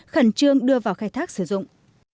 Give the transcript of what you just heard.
khẩn trương đưa vào khai thác sử dụng